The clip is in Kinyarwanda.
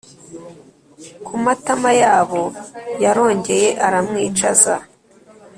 kumatama yabo, yarongeye aramwicaza